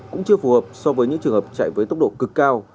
cũng chưa phù hợp so với những trường hợp chạy với tốc độ cực cao